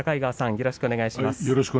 よろしくお願いします。